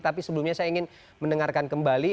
tapi sebelumnya saya ingin mendengarkan kembali